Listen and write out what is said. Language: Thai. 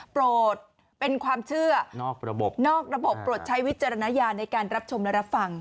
โปรดเป็นความเชื่อนอกระบบนอกระบบโปรดใช้วิจารณญาณในการรับชมและรับฟัง